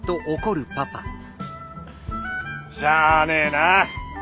しゃねえな。